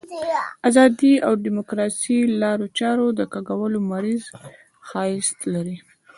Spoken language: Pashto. د ازادۍ او ډیموکراسۍ لارو چارو د کږولو مریض خاصیت لري.